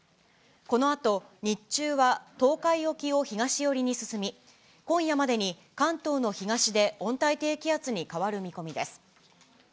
このあと日中は東海沖を東寄りに進み、今夜までに関東の東で温帯低気圧に変わる見込みです。